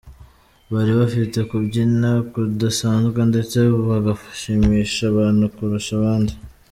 Bari bafite kubyina kudasanzwe ndetse bagashimisha abantu kurusha abandi.